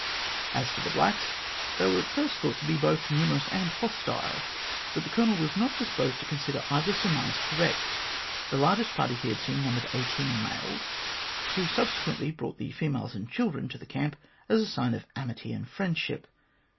As for the blacks, they were at first thought to be both numerous and hostile, but the Colonel was not disposed to consider either surmise correct. The largest party he had seen numbered eighteen males, who subsequently brought the females and children to the camp as a sign of amity and friendship.